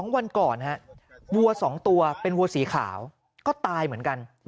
๒วันก่อนวัว๒ตัวเป็นวัวสีขาวก็ตายเหมือนกัน